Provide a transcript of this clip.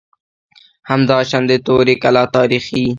همداشان د توري کلا تاریخي